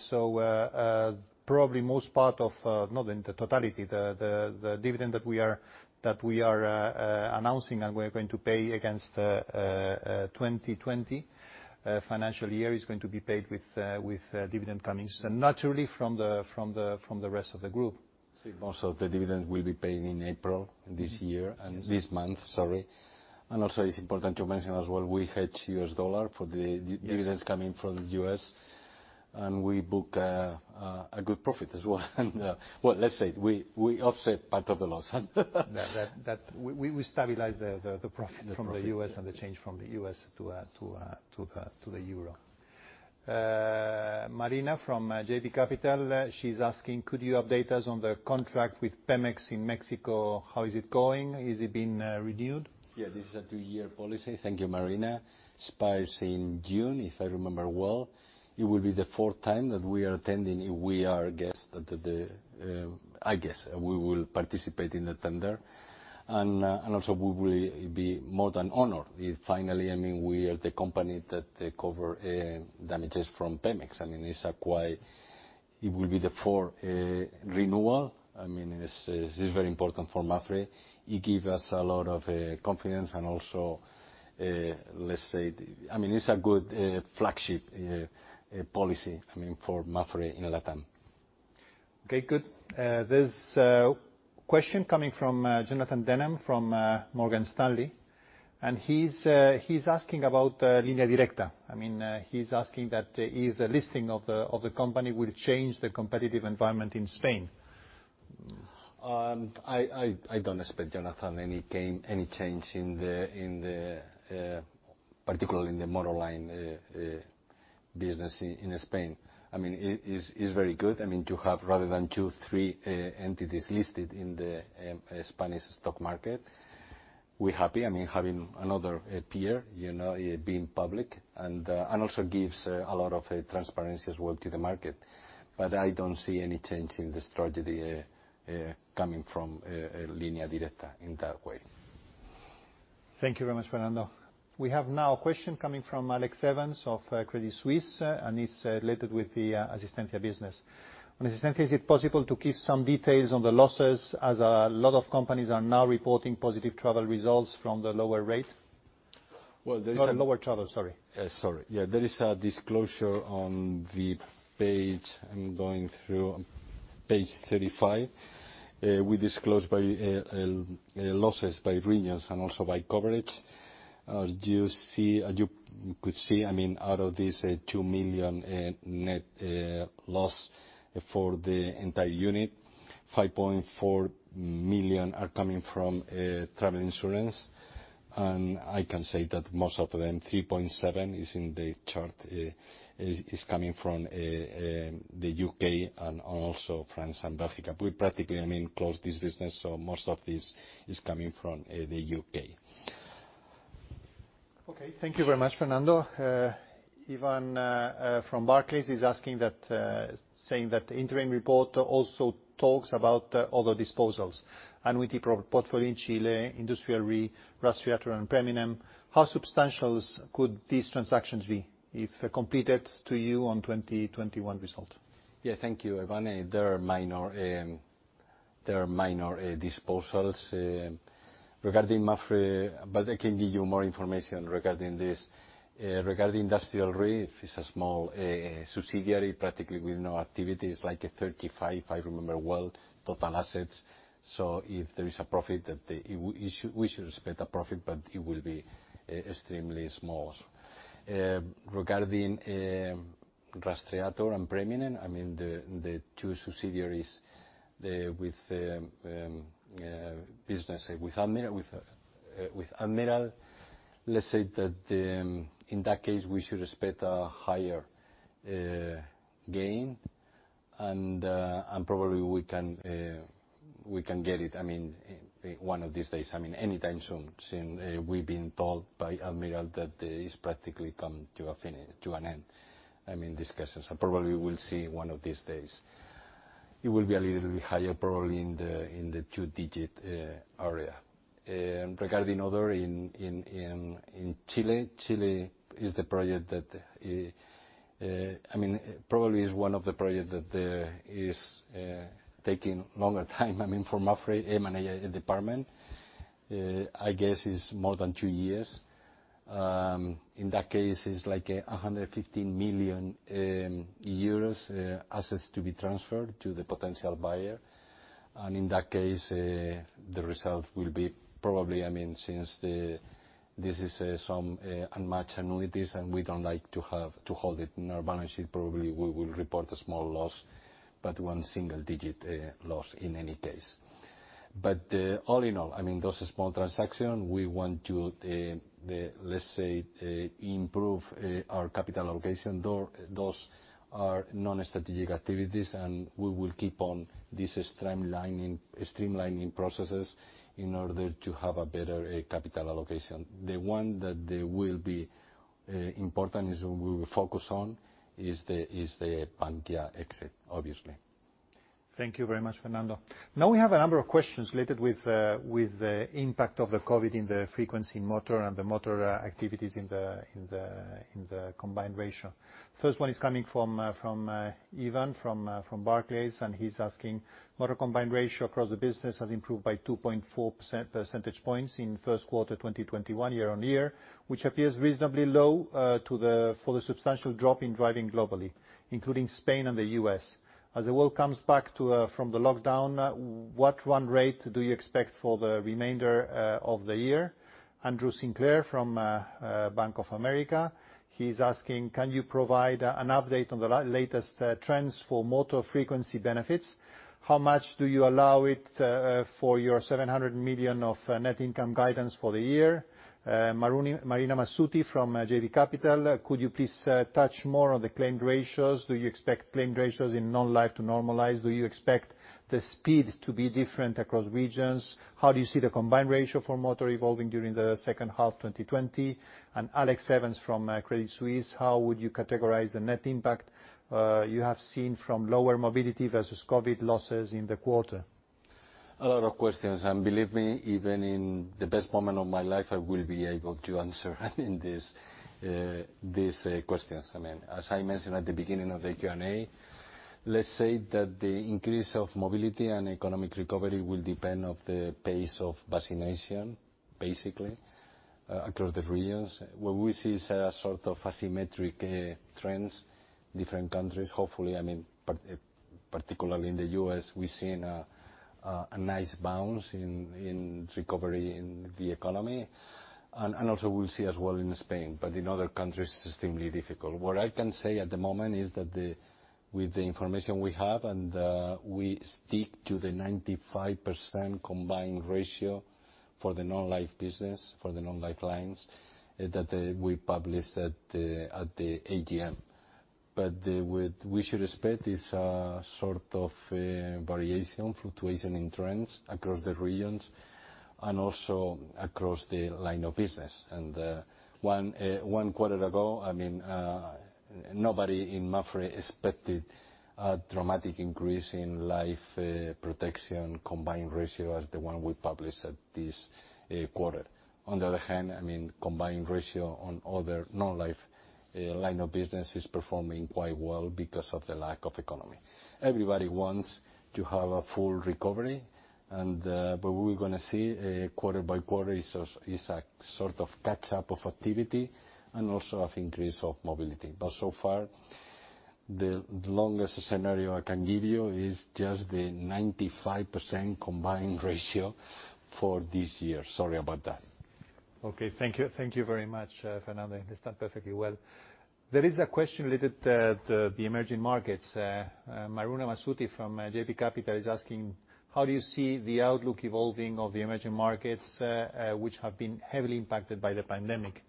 Probably most part of, not in the totality, the dividend that we are announcing and we are going to pay against 2020 financial year is going to be paid with dividend coming naturally from the rest of the group. Most of the dividends will be paid in April this year, this month, sorry. Also, it's important to mention as well, we hedge U.S. dollar. Dividends coming from the U.S., and we book a good profit as well. Well, let's say we offset part of the loss. We stabilize the profit. The profit. From the U.S. and the change from the U.S. to the euro. Marina from JB Capital. She's asking, could you update us on the contract with Pemex in Mexico? How is it going? Has it been renewed? Yeah, this is a two-year policy. Thank you, Marina. Expires in June, if I remember well. It will be the fourth time that we are attending. I guess we will participate in the tender, and also we will be more than honored if finally, we are the company that cover damages from Pemex. It will be the fourth renewal. This is very important for Mapfre. It give us a lot of confidence and also, let's say, it's a good flagship policy for Mapfre in LatAm. Okay, good. There's a question coming from Jonathan Denham from Morgan Stanley. He's asking about Línea Directa. He's asking that if the listing of the company will change the competitive environment in Spain. I don't expect, Jonathan, any change, particularly in the monoline business in Spain. It is very good to have, rather than two, three entities listed in the Spanish stock market. We're happy, having another peer being public and also gives a lot of transparency as well to the market. I don't see any change in the strategy coming from Línea Directa in that way. Thank you very much, Fernando. We have now a question coming from Alex Evans of Credit Suisse, and it's related with the Asistencia business. On Asistencia, is it possible to give some details on the losses as a lot of companies are now reporting positive travel results from the lower rate? Well, there is a. Lower travel, sorry. Sorry. Yeah, there is a disclosure on the page, I am going through, page 35. We disclose losses by regions and also by coverage. As you could see, out of this 2 million net loss for the entire unit, 5.4 million are coming from travel insurance. I can say that most of them, 3.7 million, is in the chart, is coming from the U.K. and also France and Africa. We practically closed this business, most of this is coming from the U.K. Thank you very much, Fernando. Ivan from Barclays is asking that, saying that the interim report also talks about other disposals, annuity portfolio in Chile, Mapfre RE, Rastreator and Preminen. How substantial could these transactions be if completed to you on 2021 result? Thank you, Ivan. They are minor disposals. I can give you more information regarding this. Regarding Industrial Re, it's a small subsidiary, practically with no activity. It's like 35, if I remember well, total assets. If there is a profit, we should expect a profit, it will be extremely small. Regarding Rastreator and Preminen, the two subsidiaries with business with Admiral, let's say that in that case, we should expect a higher gain. Probably we can get it one of these days, any time soon, since we've been told by Admiral that it has practically come to an end, discussions. Probably we'll see one of these days. It will be a little bit higher, probably in the two-digit area. Regarding other in Chile is probably one of the projects that is taking longer time for Mapfre M&A department. I guess it's more than two years. In that case, it's like 115 million euros assets to be transferred to the potential buyer. In that case, the result will be probably, since this is some unmatched annuities and we don't like to hold it in our balance sheet, probably we will report a small loss, but one single digit loss in any case. All in all, those small transaction, we want to, let's say, improve our capital allocation. Those are non-strategic activities, and we will keep on this streamlining processes in order to have a better capital allocation. The one that will be important is we will focus on is the Pangea exit, obviously. Thank you very much, Fernando. We have a number of questions related with the impact of the COVID in the frequency in motor and the motor activities in the combined ratio. First one is coming from Ivan from Barclays. He's asking, motor combined ratio across the business has improved by 2.4 percentage points in Q1 2021 year-over-year, which appears reasonably low for the substantial drop in driving globally, including Spain and the U.S. As the world comes back from the lockdown, what run rate do you expect for the remainder of the year? Andrew Sinclair from Bank of America. He's asking, can you provide an update on the latest trends for motor frequency benefits? How much do you allow it for your 700 million of net income guidance for the year? Marina Massuti from JB Capital, could you please touch more on the claim ratios? Do you expect claim ratios in non-life to normalize? Do you expect the speed to be different across regions? How do you see the combined ratio for motor evolving during the second half 2020? Alex Evans from Credit Suisse, how would you categorize the net impact you have seen from lower mobility versus COVID losses in the quarter? A lot of questions. Believe me, even in the best moment of my life, I will be able to answer these questions. As I mentioned at the beginning of the Q&A, let's say that the increase of mobility and economic recovery will depend on the pace of vaccination, basically, across the regions. What we see is a sort of asymmetric trends, different countries. Hopefully, particularly in the U.S., we're seeing a nice bounce in recovery in the economy. Also we'll see as well in Spain, but in other countries, extremely difficult. What I can say at the moment is that with the information we have, and we stick to the 95% combined ratio for the non-life business, for the non-life lines that we published at the AGM. What we should expect is a sort of variation, fluctuation in trends across the regions and also across the line of business. One quarter ago, nobody in Mapfre expected a dramatic increase in life protection combined ratio as the one we published at this quarter. On the other hand, combined ratio on other non-life line of business is performing quite well because of the lack of economy. Everybody wants to have a full recovery, but what we're going to see quarter by quarter is a sort of catch up of activity and also of increase of mobility. So far, the longest scenario I can give you is just the 95% combined ratio for this year. Sorry about that. Okay. Thank you. Thank you very much, Fernando. Understood perfectly well. There is a question related to the emerging markets. Marina Massuti from JB Capital is asking, how do you see the outlook evolving of the emerging markets, which have been heavily impacted by the pandemic?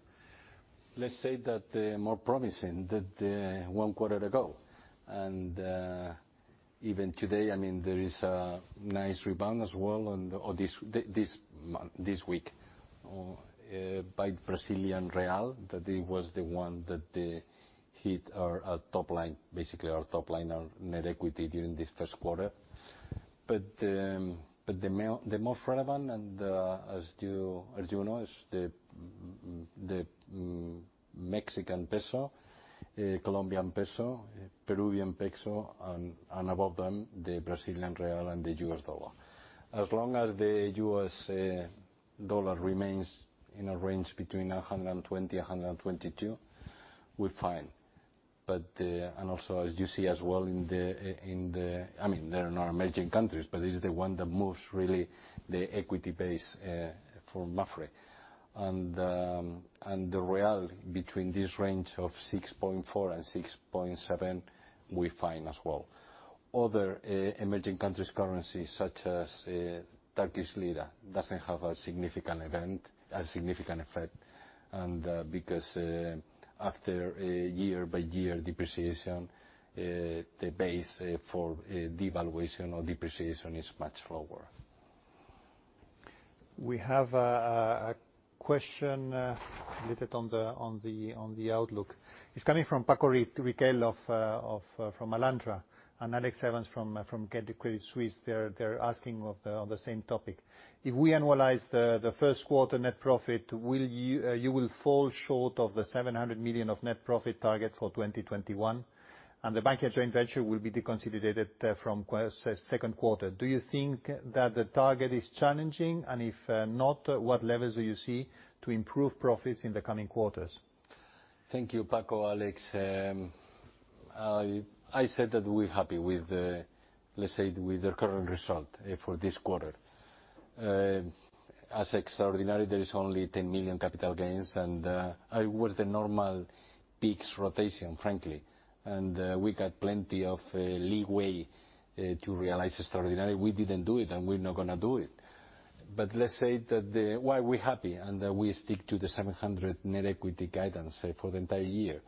Let's say that they're more promising than one quarter ago. Even today, there is a nice rebound as well this week by Brazilian real, that it was the one that hit our top line, basically our top line, our net equity during this Q1. The most relevant, and as you know, is the Mexican peso, Colombian peso, Peruvian sol, and above them, the Brazilian real and the U.S. dollar. As long as the U.S. dollar remains in a range between 120, 122, we're fine. Also as you see as well, they're not emerging countries, but this is the one that moves really the equity base for Mapfre. The real, between this range of 6.4 and 6.7, we're fine as well. Other emerging countries' currencies such as Turkish lira doesn't have a significant effect. Because after year by year depreciation, the base for devaluation or depreciation is much lower. We have a question related on the outlook. It is coming from Francisco Riquel from Alantra and Alex Evans from Credit Suisse. They are asking on the same topic. If we annualize the Q1 net profit, you will fall short of the 700 million of net profit target for 2021, and the Bankia joint venture will be deconsolidated from Q2. Do you think that the target is challenging and if not, what levels do you see to improve profits in the coming quarters? Thank you, Paco, Alex. I said that we're happy with the current result for this quarter. As extraordinary, there is only 10 million capital gains, it was the normal peaks rotation, frankly. We got plenty of leeway to realize extraordinary. We didn't do it, and we're not going to do it. Let's say that why we're happy, we stick to the 700 net equity guidance for the entire year.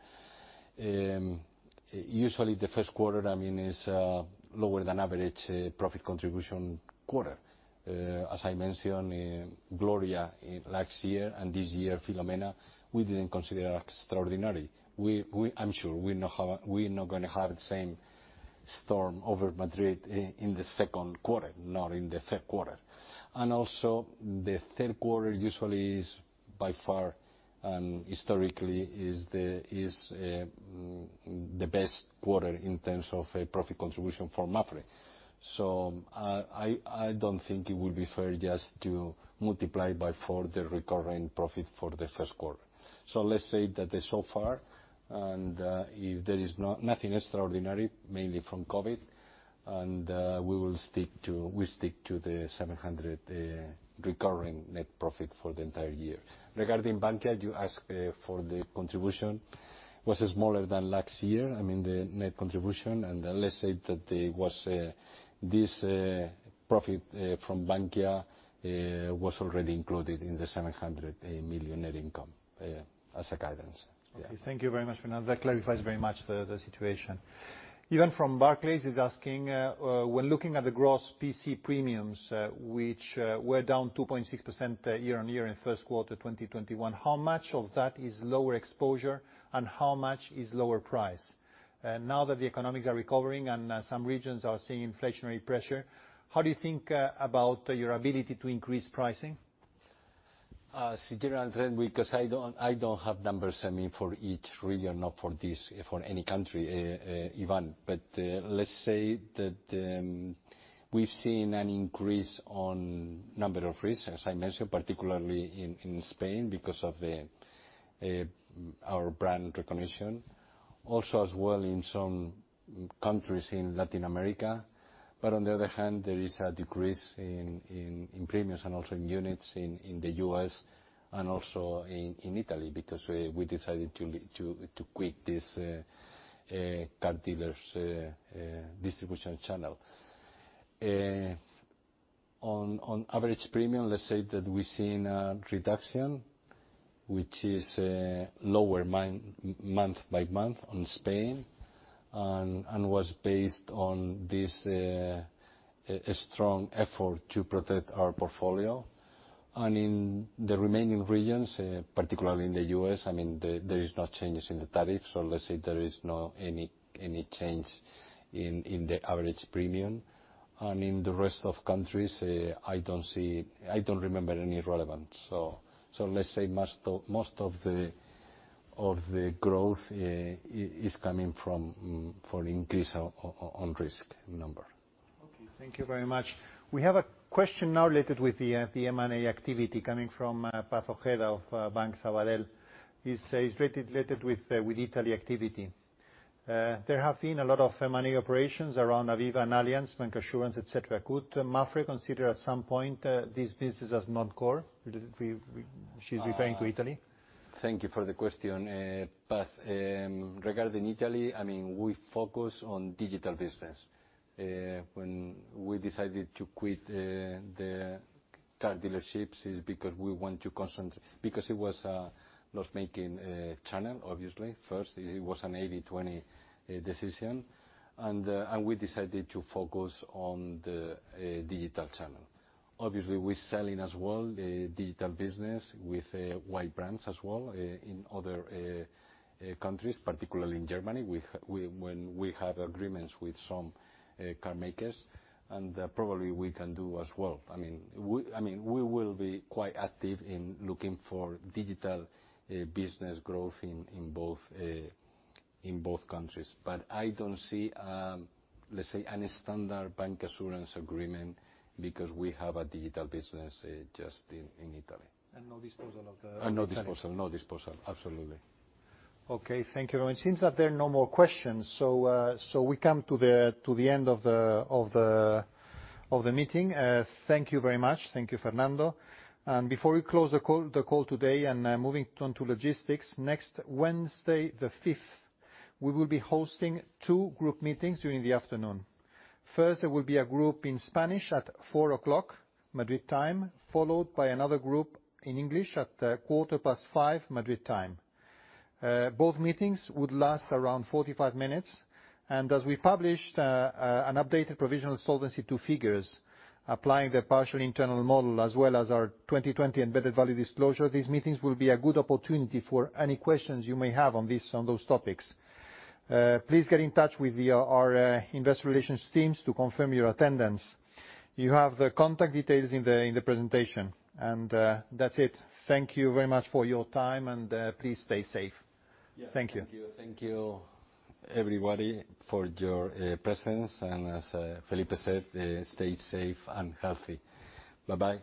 Usually, the Q1 is a lower than average profit contribution quarter. As I mentioned, Storm Gloria last year and this year, Storm Filomena, we didn't consider extraordinary. I'm sure we're not going to have the same storm over Madrid in the Q2, nor in the Q3. Also, the Q3 usually is by far and historically is the best quarter in terms of profit contribution for Mapfre. I don't think it would be fair just to multiply by four the recurring profit for the Q1. Let's say that so far, and if there is nothing extraordinary, mainly from COVID, and we stick to the 700 recurring net profit for the entire year. Regarding Bankia, you asked for the contribution was smaller than last year, the net contribution, and let's say that this profit from Bankia was already included in the 700 million net income as a guidance. Yeah. Okay. Thank you very much, Fernando. That clarifies very much the situation. Ivan from Barclays is asking, when looking at the gross P&C premiums, which were down 2.6% year-on-year in Q1 2021, how much of that is lower exposure and how much is lower price? Now that the economics are recovering and some regions are seeing inflationary pressure, how do you think about your ability to increase pricing? As a general trend, because I don't have numbers for each really or not for any country, Ivan. Let's say that we've seen an increase on number of risks, as I mentioned, particularly in Spain because of our brand recognition. Also as well in some countries in Latin America. On the other hand, there is a decrease in premiums and also in units in the U.S. and also in Italy because we decided to quit this card dealers distribution channel. On average premium, let's say that we're seeing a reduction, which is lower month by month on Spain, and was based on this strong effort to protect our portfolio. In the remaining regions, particularly in the U.S., there is no changes in the tariff. Let's say there is not any change in the average premium. In the rest of countries, I don't remember any relevant. Let's say most of the growth is coming from increase on risk number. Thank you very much. We have a question now related with the M&A activity coming from Maria Paz Ojeda of Banco Sabadell. It is related with Italy activity. There have been a lot of M&A operations around Aviva and Allianz, bancassurance, et cetera. Could Mapfre consider at some point this business as non-core? She is referring to Italy. Thank you for the question, Paz. Regarding Italy, we focus on digital business. When we decided to quit the car dealerships is because it was a loss-making channel, obviously. First, it was an 80/20 decision, and we decided to focus on the digital channel. Obviously, we're selling as well, digital business with white brands as well in other countries, particularly in Germany, when we have agreements with some car makers, and probably we can do as well. We will be quite active in looking for digital business growth in both countries. I don't see, let's say, any standard bancassurance agreement because we have a digital business just in Italy. And no disposal of the? No disposal, absolutely. Okay. Thank you. It seems that there are no more questions. We come to the end of the meeting. Thank you very much. Thank you, Fernando. Before we close the call today and moving on to logistics, next Wednesday, the 5th, we will be hosting two group meetings during the afternoon. First, there will be a group in Spanish at 4:00 P.M. Madrid time, followed by another group in English at 5:15 P.M. Madrid time. Both meetings would last around 45 minutes. As we published an updated provisional Solvency II figures applying the partial internal model as well as our 2020 embedded value disclosure, these meetings will be a good opportunity for any questions you may have on those topics. Please get in touch with our investor relations teams to confirm your attendance. You have the contact details in the presentation. That's it. Thank you very much for your time. Please stay safe. Thank you. Thank you, everybody, for your presence. As Felipe said, stay safe and healthy. Bye-bye.